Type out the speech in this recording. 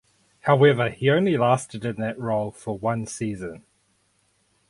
However he only lasted in that role for one season.